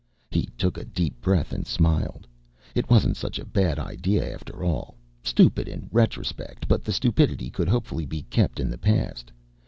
He took a deep breath and smiled. It wasn't such a bad idea after all. Stupid in retrospect, but the stupidity could hopefully be kept in the past.